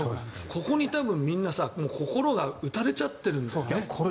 ここにみんな心が打たれちゃってるんだよね。